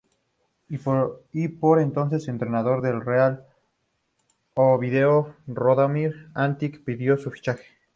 El por entonces entrenador del Real Oviedo, Radomir Antić, pidió su fichaje.